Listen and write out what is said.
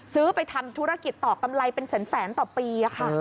ไปทำธุรกิจต่อกำไรเป็นแสนต่อปีค่ะ